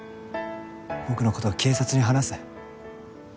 僕の事を警察に話す？